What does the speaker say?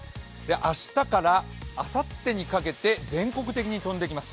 明日からあさってにかけて全国的に飛んできます。